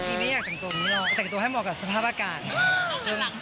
พีพี่ไม่ได้อยากแต่งตัวแบบนี้หรอกแต่งตัวให้เหมาะกับสภาพอากาศ